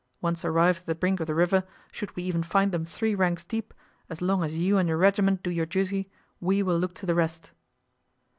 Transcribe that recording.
Once arrived at the brink of the river, should we even find them three ranks deep, as long as you and your regiment do your duty, we will look to the rest."